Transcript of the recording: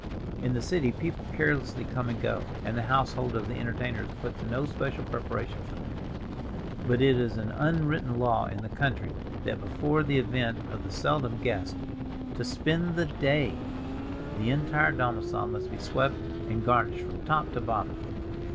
In the city people carelessly come and go, and the household of the entertainer is put to no special preparation for them, but it is an unwritten law in the country that before the advent of the seldom guest "to spend the day" the entire domicile must be swept and garnished from top to bottom.